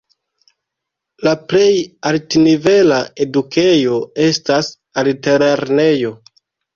La plej altnivela edukejo estas altlernejo.